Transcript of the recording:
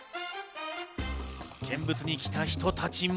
見物に来た人たちも。